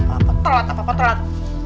apa telat apa apa telat